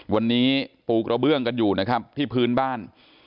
วันนี้ปูกระเบื้องกันอยู่นะครับที่พื้นบ้าน